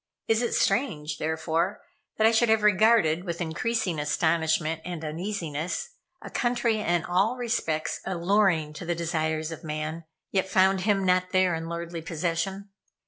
Is it strange, therefore, that I should have regarded with increasing astonishment and uneasiness a country in all respects alluring to the desires of man yet found him not there in lordly possession?